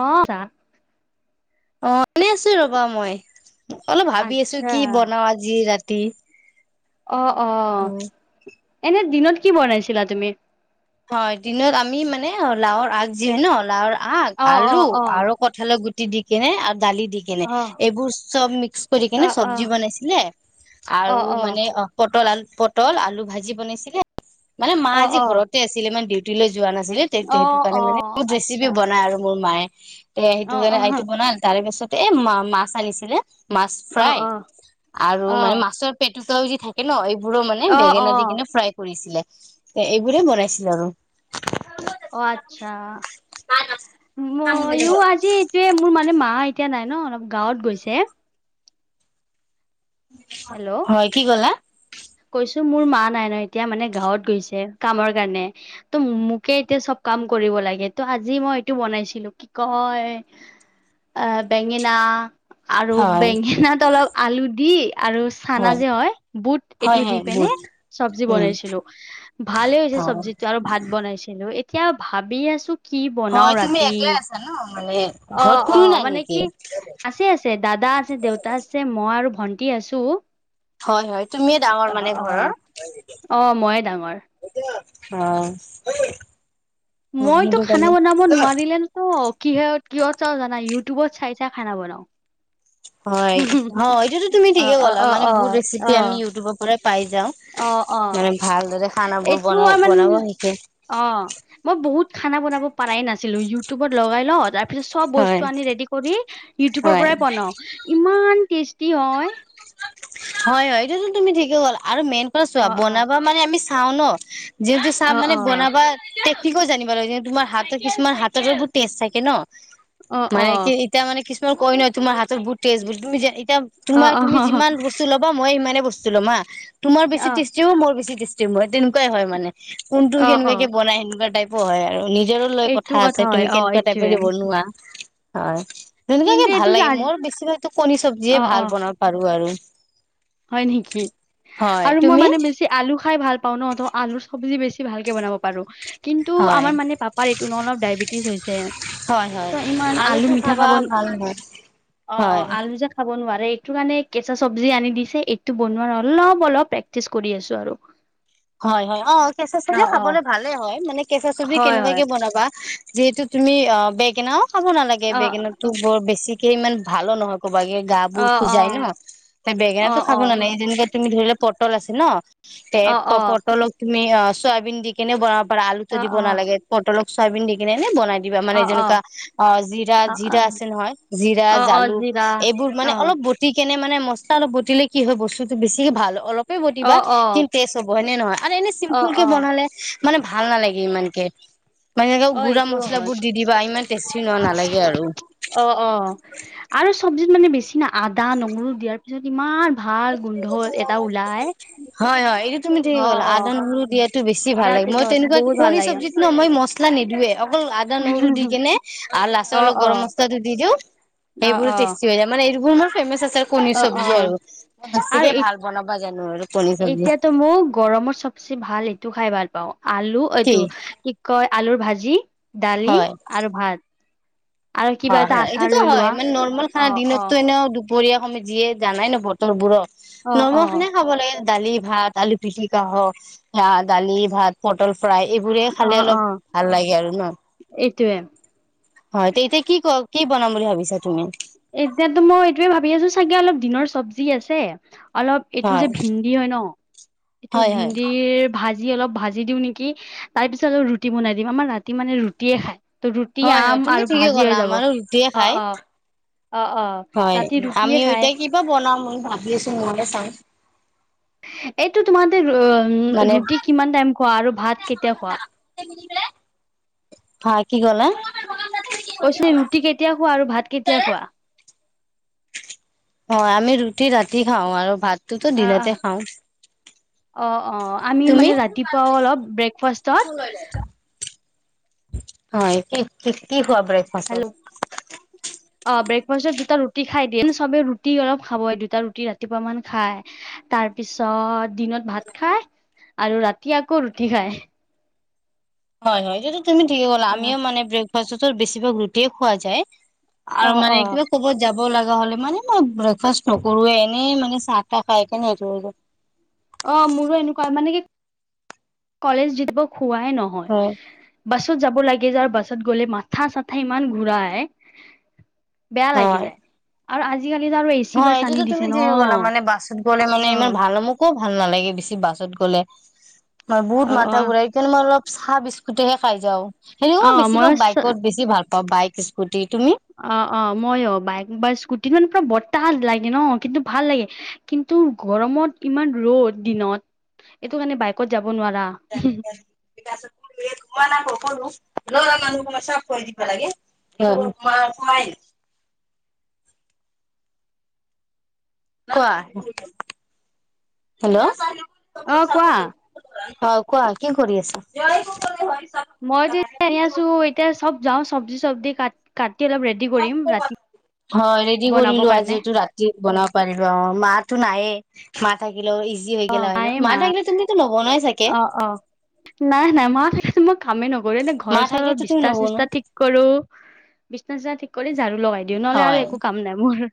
অঁ, তা অঁ, শুনি আছো ৰ'বা মই। অলপ ভাবি আছো আচ্ছা কি বনাও আজি ৰাতি। তি। অঁ, অঁ, এনে দিনত কি বনাইছিলা তুমি? হয়, দিনত আমি মানে লাওৰ আগ যি হয় ন লাওৰ আ আগ, অ' আলু, অ' অ' আৰু কঠালৰ গুটি দি কিনে দালি দি কেনে। অ' এইবোৰ চ'ব মিক্স কৰি কিনে অ' অ' শৱজি বনাইছিলে। অ' অ' আৰু মানে অ পটল [unintelligible] পটল, আলু ভাজি বনাইছিলে। মানে মা অ' আজি অ' ঘৰতে আছিলে মানে ডিউটি লৈ যোৱা নাছিলে, তে সেইটো অ' কাৰণে মানে অ' বহু আচ্ছা ৰেচিপি বনাই আৰু মোৰ মায়ে। তে সেইটো অ' অ' এইটো অ' বনাল, তাৰে পিছতে এ, ম, মাছ আনিছিলে। মাছ অ' ফ্ৰাই অ' আৰু মানে মাছৰ পেটোটো যি থাকে ন এই বোৰ মানে অ' অ' বেঙেনা দি কিনে ফ্ৰাই কৰিছিলে। এইবোৰে বনাইছিল আৰু। অ', আচ্ছা। মইও আজি এইটোৱে মোৰ মানে মা এতিয়া নাই ন' অলপ গাঁৱত গৈছে। হেল্ল' হয়, কি ক'লা? কৈছো মোৰ মা নাই ন এতিয়া মানে গাঁৱত গৈছে কামৰ কাৰণে ত' মোকে এতিয়া চব কাম কৰিব লাগে ত' আজি মই এইটো বনাইছিলো কি কয় আ বেঙেনা আৰু হয় বেঙেনাত অলপ আলু দি আৰু চানা যে হয় বুট হয় এইটো দি হয় পিনে বুট চব্জি উম বনাইছিলো, ভালে হৈছে হয় চব্জি টো আৰু ভাত বনাইছিলো। এতিয়া ভাবি আছো কি বনাও হয় তুমি ৰাতি। একলাই আছা ন মানে ঘৰত অ', কোনো অ', নাই মানে নেকি? কি আছে আছে দাদা আছে দেউতা আছে মই আৰু ভন্টি। টি আছো। হয় হয় তুমিয়ে ডাঙৰ অ মানে অ ঘৰৰ। অ মইয়ে ডাঙৰ অঁ। মইতো খানা বনাব নোৱাৰিলে ন', কিহত কিহত চাওঁ জানা ই টউবত চাই চাই খানা বনাওঁ। হয়, হয়, এইটোতো তুমি ঠিকে অ ক'লা, অ মানে অ বহুত অ ৰেচিপি আমি ইউটিউবৰ পৰাই পাই যাও, অ অ মানে ভালদৰে খানাবোৰ বন বনাব শিকে। অঁ, মই বহুত খানা বনাব পাৰাই নাছিলো। ইউটিউবত লগাই লওঁ, তাৰ পিছত চব হয় বস্তু আনি ৰেডি কৰি, ইউটিউবৰ হয় পৰাই বনাও। ইমান টেষ্ট টি হয়। হয় হয় এইটোতো তুমি ঠিকে গ'ল আৰু মেইন কথা চোৱা অ অ বনাব মানে আমি চাও ন' যিহেতু চাহ অ মানে অ বনাবা টেকনিকো জানিব লাগে তোমাৰ হাতৰ কিছুমান হাততো টেষ্ট থাকে ন'। অ অ মানে কি এতিয়া মানে কিছুমান কয় নহয় তোমাৰ হাতত বহুত টেষ্ট বলি তুমি যে অ তোমাৰ অ তুমি যিমান বস্তু ল'বা মই ইমানেই বস্তু লমা তোমাৰ বেছি অ টেষ্টি মোৰ বেছি টেষ্টি ম তেনেকুৱাই হয় মানে। কোনটো অ অ কেনেুৱাকে বনাই সেনেকুৱা টাইপো হয় আৰু। আৰু নিজৰো লৈ এইটো কথা আছে হয় তুমি অ কেনেকুৱা টাইপে এইটোয়ে দিব বনোৱা হয়। কিন্তু তেনেকুৱাকে ভাল এইটো যে লাগে আজি মোৰ বেছি কৈ টু কণী চবজিয়ে অ অ ভাল বনাব পাৰো আৰু। হয় নেকি, হয় আৰু মই তুমি মানে বেছি আলু খাই ভাল প [unintelligible] ন' ত' আলু চব্জি বেছি ভালকে বনাব পাৰো। কিন্তু হয় আমাৰ মানে পাপাৰ এইটো ন' অলপ ডায়বেটিছ হৈছে। হয় হয়, ত ইমান আলু আলুটো মিঠা খাবা খাব ভাল নহয় অ', অ', আলু যে খাব নোৱাৰে এইটো কাৰণে কেঁচা চব্জি আনি দিছে এইটো বনোৱাৰ অলপ অলপ প্ৰেক্টিচ কৰি আছো আৰু। হয় হয় অ' কেঁচা অ চব্জি অ খাবলে ভালে হয় মানে কেঁচা চব্জি হয় হয় কেনেকুৱাকে বনাবা যিহেতু তুমি অ' বেঙগনাও খাব নালাগে অ বেঙগনাটো ব'ৰ বেছিকে ইমান ভালো নহয়। কবাকে গা বোৰ অ অ খোজাই ন' সেই অ বেঙেনাতটো খাব নালাগে যেনেকৈ তুমি ধৰি লোৱা পটল আছে ন এ অ অ অ প-পটলক তুমি অ' চয়াবিন দি কেনে বনাব পাৰা আলুটো অ অ অ দিব নালাগে অ পটলক চয়বিন দি কিনে এনে বনাই দিবা মানে যেনেকুৱা অ' জিৰা অ অ জিৰা আছে নহয় জিৰা, অ অ জালুক, জিৰা এইবোৰ মানে অ অলপ বটি কেনে মানে মচলা অলপ বটিলে কি হয় বস্তুটো বেছিকে ভাল, অলপে অ বটিবা অ কিন্তু টেষ্ট চব হয়নে নহয় আৰু এনে অ চিম্পুল কে অ বনালে মানে ভাল নালাগে ইমানকে। মানে অ' গুড়া এইটো হয় মছলাবোৰ দি দিবা ইমান টেষ্টি ন নালাগে আৰু অ', অ', আৰু চব্জিত মানে বেছি না আদা নহৰু দিয়াৰ পিছত ইমান ভাল গোন্ধ এটা ওলাই হয় হয় এইটো তুমি থাকে অ কলা, অ আদা নহৰু দিয়াতটো বেছি ভাল তাৰ মই পিছত তেনেকুৱা বহুত ভাল কণী লাগে চব্জিত ন' মই মছলা নিদিওঁয়েই অকল আদা নহৰু দি কেনে আৰু লাষ্টত অ অলপ অ গৰম মছলাটো দি দিওঁ। অ সেইবোৰো টেষ্টি হৈ যায়, মানে এইবোৰ মোৰ ফেমাচ আছে আৰু কণী অ অ অ চব্জি আৰু। মই আৰু বেছিকে ভাল বনাব জানো আৰু কণী চব্জি এতিয়াতো মোক গৰমত চবচে ভাল এইটো খাই ভাল পাওঁ আলু এইটো কি কয় আলুৰ ভাজি দালি হয় আৰু ভাত। আৰু কিবা হয় এটা হয়, আচাৰ এইটোতো লৈ হয় লোৱা মানে নৰ্মেল অ খানা অ দিনতো এনেও দুপ পৰীয়া সমেত যিয়ে জানাই নো বতৰবোৰক অ অ নৰ্মেল খনাই খাব লাগে দালি ভাত, আলু পিটিকাহক, দালি ভাত, পটল ফ্ৰাই এইবোৰে অ খালে অ অলপ ভাল লাগে আৰু ন'। এইটোয়ে হয়, এতিয়া কি ক কি বনাম বুলি ভাবিছা তুমি? ছবযি আছে, অলপ এইটো হয় যে ভিনডি হয় ন' এইটো হয় হয় ভিনডিৰ ভাজি অলপ ভাজি দিওঁ নেকি তাৰ পিছত অলপ ৰুটি বনাই দিম, আমাৰ ৰাতি মানে ৰুটিয়ে খাই। হয় হয় তুমি ঠিকে ক'লা আমাৰো ৰুটিয়ে অ খাই। অ অ অ ৰাতি হয় ৰুটিয়ে আমি খায় এতিয়া কিবা বনাম বুলি ভাবি আছো। [unintelligible] চাই এইটো তোমাৰতে মানে ৰুটি কিমান টাইম খোৱা, আৰু ভাত কেতিয়া খোৱা। হয় কি ক'লা। কৈছো ৰুটি কেতিয়া খোৱা আৰু ভাত কেতিয়া খোৱা? হয় আমি ৰুটি ৰাতি খাওঁ আৰু ভাতটোতো অ', দিনতে খাওঁ। অ', অ', আমি তুমি? মানে ৰাতিপুৱাও অলপ ব্ৰেকফাষ্টত হয় কি কি কি খোৱা ব্ৰেকফাষ্টত? হেল্ল' অ' ব্ৰেকফাষ্টত দুটা ৰুটি খাই দিন চবে ৰুটি অলপ খাব দুটা ৰুটি ৰাতিপুৱা মান খায়, তাৰপিছত দিনত ভাত। খাই [inaudible] আৰু ৰাতি আকৌ ৰুটি খাই। হয়, হয় যদিটো তুমি ঠিকে ক'লা আমিও অ', মানে ব্ৰেক ফাৰ্ষ্টত বেছিভাগ ৰুটিয়ে খোৱা যায়, আৰু মানে অ', কিবা ক'বাত যাব ওলালে। নহ'লে মানে মই ব্ৰেকফাষ্ট নকৰোৱে এনেই মানে চাহ তাহ খাই কেনে এৰো। অ' মোৰো এনেকুৱা মানে কি কলেজ [unintelligible] খোৱাই নহয় বাছত যাব লাগে যে আৰু বাছত গ'লে মাথা চাথা ইমান ঘূৰাই আহ। বেয়া লাগি হয় যায় আৰু আজি হয় এইটোতো তুমি থিকে ক'লা মানে, বাছত গ'লে মানে ইমান অ ভাল ন মোকো ভাল নালাগে বেছি বাছত গ'লে। মই বহুত অ মাথা ঘূৰাই কাৰণে মই অলপ চাহ বিস্কুটহে খাই যাওঁ। অ সেনেকুৱা বেছি ভাগ মইয়ো বাইকত বেছি ভাল পাওঁ বাইক স্কুটি। তুমি? অ' অ' মই অ' বাইক বা স্কুটিখন পৰা বতাহ লাগে ন কিন্তু ভাল লাগে কিন্তু গৰমত ইমান ৰ'দ দিনত। এইটো কাৰণে বাইকত যাব। নোৱাৰা [unintelligible] [unintelligible] ল'ৰা মানুহ [unintelligible] চব কৰি দিবা লাগে [unintelligible] [unintelligible] [unintelligible] কোৱা। হেল্ল' অ' অ কোৱা কোৱা কি কৰি আছা? মইতো এতিয়া আনি আছো এতিয়া চ'ব যাওঁ চব্জি চব্জি ক কাটি অলপ ৰেডি কৰিম ৰাতি। হয় ৰেডি বনাব কৰিলো কাৰণে আজিহেতু ৰাতি বনাব পাৰিলো অ' মাটো নাইযয়ে মা থাকিল থাকিলে হৈ আজি হৈ অ গ'লা হয় নাই ন মা থাকিলে তুমিতো নোবোনোৱাই চাগে। অ অ নাই নাই মা থাকোতে মই কামেই নকৰো। এনেই মা ঘৰৰ চৰৰ থাকিলেতো তুমি বিছনা নবনোৱা ঠিচনা ঠিক কৰো। বিচনা চিচনা ঠিক কৰি ঝাৰু লগাই দিওঁ। নহ'লে হয় আৰু একো কাম নাই মোৰ।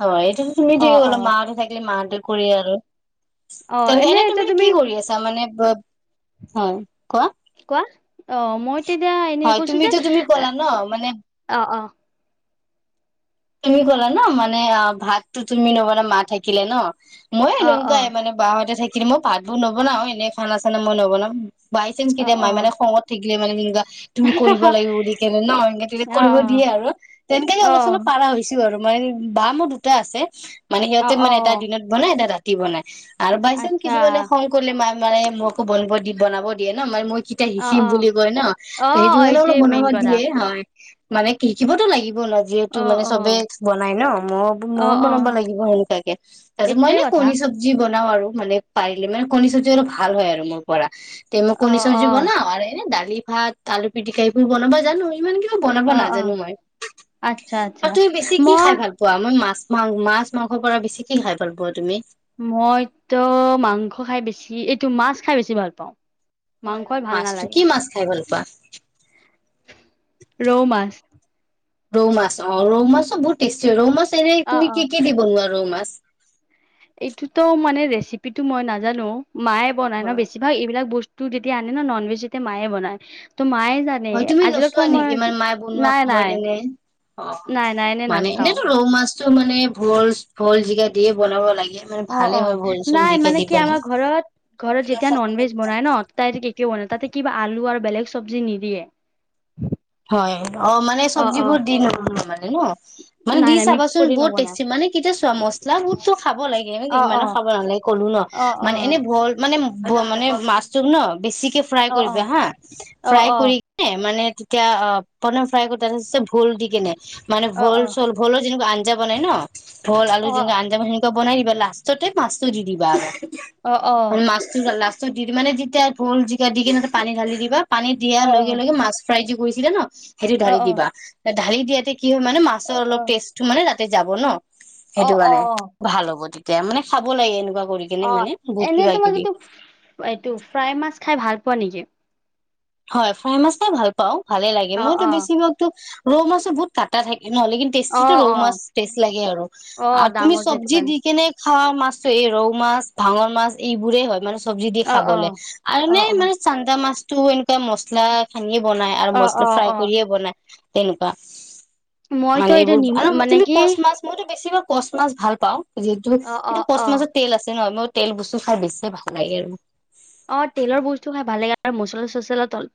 হয় এইটোতো তুমি অ থিকে অ ক'লা মাহটো থাকিলে মাহতে কৰে এ আৰু। তেনেকে এনে তুমি কি কৰি আছা মানে, হয়। কোৱা কোৱা অ' মই তেতিয়া এনেই হয় কৈছো যে তুমিতো তুমি এ ক'লা ন মানে অ' অ' এনে বনোৱা ন মানে ভাতটো তুমি নবনোৱা মা থাকিলে ন। মই অ অ এনেকুৱাই মানে বা হতে থাকিলি মই ভাতবোৰ নবনাও এনেই খানা চানা মই নবনাও। বাই চান্স অ অ কেতিয়া অ মানে খঙত থাকিলে মানে আমি বা - তুমি কৰিব লাগিব দি কেনে ন একে তেনে অ কৰিব দিয়ে আৰু তেনেকে অ অলপ চঅলপ হৈছে বাৰু আৰু মানে বা মোৰ দুটা আছে মানে অ সিহঁতে অ মানে এটাই দিনত বনাই এটা ৰাতি বনাই। আৰু বাই চান্স আচ্ছা কিছুমানে মানে খং কৰিলে মায় মানে মোকো বনিব দি বনাব দিয়ে ন মানে মই। কেতিয়া অ হিচিব অ বুলি কয় ন অ তে অ সেইটো কাৰণে এইটোৱে অলপ বনাব মেইন কথা দিয়ে হয়। মানে শিকিবতো লাগিব ন জীৱ - ত অ মানে অ চবে বনাই ন মই অ ময়ো অ বনাব লাগিব সেনেকোৱাকে তাৰপিছত মই এইটোৱে এনে কথা কণী চব্জি বন ও আৰু মানে পাৰিলে মানে কণী চব্জি অলপ ভাল হয় আৰু মোৰ পৰা তে মই অ কণী অ চবজি বনাও আৰু এনে ডালি ভাত, আলু পিটিকা এইবোৰ বনাবা জানো, ইমান কিয় - বনাব অ অ নাজানো মই, আচ্ছা আচ্ছা আৰু তুমি বেছি কি মই খাই ভাল পোৱা? মাছ, মাছ - মাংসৰ পৰা বেছি কি খাই ভাল পোৱা তুমি? মইতো মাংস খাই বেছি এইটো মাছ খাই বেছি ভাল পাওঁ। হয় মাংস হয় ভাল মাছটো, কি নালাগে মাছ খাই ভাল পোৱা? ৰৌ মাছ। ৰৌ মাছ অ ৰৌ মাছো বহুত টেষ্টি হয়, ৰৌ মাছ এনেই অ তুমি অ কি কি দি বনোৱা ৰৌ মাছ এইটোতো মানে ৰেচিপিটো মই নাজানো মায়ে বনাই ন হয় বেছিভাগ এইবিলাক বস্তু। -টো তেতিয়া আনে ন নন-ভেজ তেতিয়া মায়ে বনায়। মায়ে জানে হয়, তুমি আজিলৈকে নচোৱা মই নেকি তোমাৰ মায়ে বনোৱা নাই সময়ত নাই এনে। অ' নাই নাই এনে মানে নাচাও এনেটো ৰৌ মাছতটো মানে ভোল, ভোল, জিকা দিয়ে বনাব লাগে। মানে অ' ভালে অ' হয় ভোল চোল নাই জিকা মানে দি কি বনাই। আমাৰ ঘৰত, ঘৰত যেতিয়া নন ভেজ বনাই ন, তাই তেতিয়া বনাই। তাতে কিবা আলু আৰু বেলেগ চব্জি নিদিয়ে। হয় অ' মানে অ অ চব্জিবোৰ দি লব লাগে, মানে ন মানে নাই দি নাই মিক্স চাবাচোন কৰি বহুত নবনাই টেষ্টি মানে কেতিয়া চমস- ইছলাম ফুড তো খাব লাগে, অ অ ইমানো খাব নালাগে, কলো ন অ মানে এনে ভল মানে- মানে মাছটোক ন বেছিকে ফ্ৰাই অ অ কৰিবা হা, অ অ অ ফ্ৰাই কৰি মানে- এতিয়া অ প্ৰথম ফ্ৰাই কৰিব অৱশ্যে ভোল দি কিনে, মানে অ অ ভোল - চল ভোলো যেনে- আঞ্জা বনাই ন ভোল, আলু অ অ যেনেকৈ অ আঞ্জা যেনেকৈ বনাই ন লাষ্টতে মাছ দি দিবা। অ অ মাছটো লাষ্টটত দি দিবা মানে যেতিয়া ভোল, জিকা দি খেনে পান ঢালি দিবা। পানীত দিয়া অ অ লগে লগে অ মাছ ফ্ৰাই যে কৰিছিলে ন সেইটো ঢালি দিবা, ঢালি দিয়াতে- কি হয় মানে মাছৰ অলপ টেষ্টটো মানে তাতে যাব ন সেইটোৰ অ অ কাৰানে অ ভাল হ'ব তেতি - তেতিয়া মান খাব লাগে এনেকুৱাকে। অ এনেই মই কিন্তু, এইটো ফ্ৰাই মাছ খাই ভাল পোৱা নেকি? হয় ফ্ৰাই মাছটাই ভাল পাও, ভালেই লাগে। অ মইতো অ বেছিভাগতো ৰৌ মাছটো বহুত কাটা থাকে - নহলে কিন্তু অ টেষ্টিটো ৰৌ অ মাছ টেষ্ট লাগে আৰু অ আৰু তুমি ডাঙৰ যে সেইটো চব্জিত কাৰণে দি কেনে - খোৱা মাছতো এই ৰৌ মাছ, ভাঙন মাছ এইবোৰে হয় মানে- চবজি দি অ অ খাবলে, আৰু ন অ মানে চান্দা মাছটো এনেকুৱা মছলা সানি - বনাই আৰু অ মছলা অ অ ফ্ৰাই অ কৰিয়ে বনাই তেনেকুৱা। মইতো মানে এইটো এইবোৰ নিম আৰু মই মানে কিন্তু কি কচ মাছ মোৰটো বছি ভাগ - কচ মাছ ভাল পাওঁ যিহেতু অ অ কিন্তু কচ অ মাছত তেল আছে ন, মই - তেল বস্তু খাই বেছি ভাল লাগে আৰু। অ তেলৰ বস্তু খাই ভাল লাগে আৰু মচলা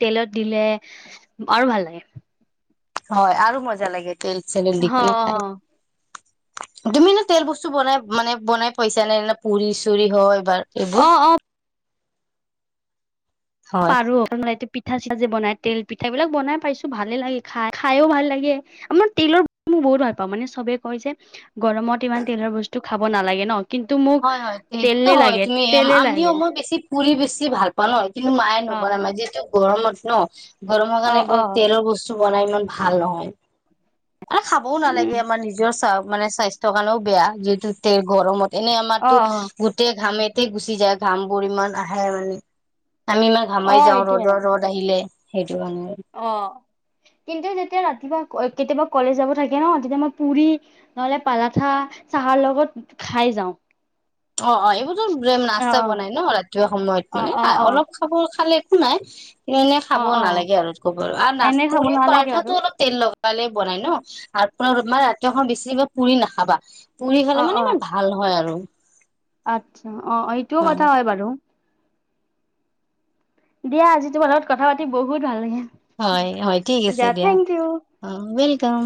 তেলত দিলে আৰু ভাল লাগে। হয় আৰু মজা লাগে তেল - চেল দি অ কেনে অ খাই তুমিনো তেল বস্তু বনাই মানে বনাই পইছা নে এনে পুৰি - চুৰি হয়। বাৰু অ এইবোৰ। অ হয়। পাৰো অকণ এই টিপিত পিঠা - চিঠা যে বনাই তেল পিঠা বিলাক বনাই পাইছো ভালে লাগে খাই, খাইয়ো ভাল লাগে, আমাৰ তেলৰ- বহুত ভাল পাওঁ মানে চবে কয় যে গৰমত ইমান তেলৰ বস্তু খাব নালাগে ন। কিন্তু মোক হয় হয় সেইটোতো তেলে হয় লাগে তুমি তেলে আমিও লাগে মই বেছি ফুৰি বেছি ভাল পা ন কিন্তু মায়ে অ নবন অ মাই যিহেতু গৰমত ন অ গৰমৰকাৰণে অ এইবোৰ তেলৰ বস্তু বনাই ইমান ভাল নহয়। আৰু খাবও নালাগে উম আমাৰ নিজৰ মানে স্বাস্থ্যৰ কাৰণেও বেয়া যিহেতু তে গৰমত এনে অ আমাৰতো অ গোটেই ঘামেতে গুচি যায় ঘাম বোৰ ইমান আহে মানে। আমি ইমাৰ অ ঘামাই যাওঁ এইটোয়ে ৰ'দৰ ৰ'দ আহিলে সেইটো কাৰণে। অ কিন্তু যেতিয়া ৰাতিপুৱা কেতিয়াবা কলেজ যাব থাকে ন তেতিয়া মই পুৰি নহলে পালাঠা চাহাৰ লগত খাই যাওঁ। অ অ এইবোৰতো অ নাস্তা বনাই ন ৰাতিপুৱা সময়ত অ মানে হ অ অ অলপ খাব খালে নাই এনে অ অ খাব অ নালাগে আৰু ক ব আৰু এনে খাব নচপৰি নালাগে আৰু পৰাঠাতো অলপ তেল লগা সালে বনাই ন আপোনাৰ মানে ৰাতিখন বেছি পুৰি নাখাবা পুৰি অ খালে অ মানে ইমান ভাল হয় আৰু। আচ্ছা অ এইটোও অ কথা হয় বাৰু। দিয়া আজি তোমাৰ লগত কথা পাতি বহুত ভাল লাগিল। হয়, হয় ঠিক আছে দিয়া থেংক ইউ অ' ওৱেলকাম।